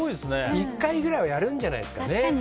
１回くらいはやるんじゃないですかね。